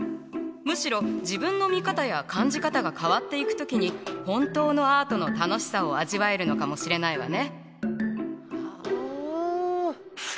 むしろ自分の見方や感じ方が変わっていく時に本当のアートの楽しさを味わえるのかもしれないわね。